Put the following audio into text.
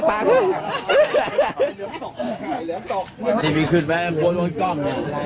อันนี้มีคืนไหม